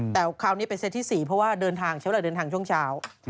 แต่คราวนี้เป็นเซตที่๔เพราะว่าเดินทางใช้เวลาเดินทางช่วงเช้า